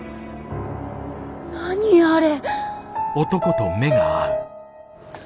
何あれ。